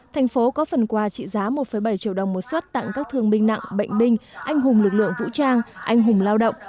thành phố có phần quà trị giá một bảy triệu đồng một suất tặng các thương binh nặng bệnh binh anh hùng lực lượng vũ trang anh hùng lao động